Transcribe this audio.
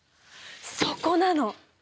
そこなの！